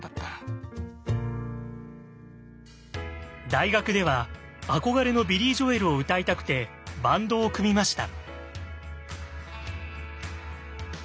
大学では憧れのビリー・ジョエルを歌いたくてバンドを組みました。